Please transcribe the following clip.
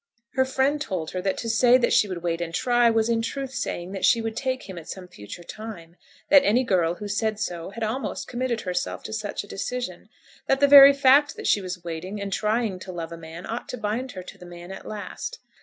Her friend told her that to say that she would wait and try, was in truth to say that she would take him at some future time; that any girl who said so had almost committed herself to such a decision; that the very fact that she was waiting and trying to love a man ought to bind her to the man at last.